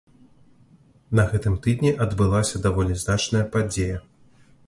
На гэтым тыдні адбылася даволі значная падзея.